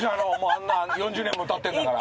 あんな４０年も歌ってんだから。